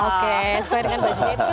oke sesuai dengan baju dia